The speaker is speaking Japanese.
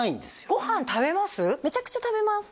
ご飯食べます？